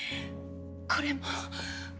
これも。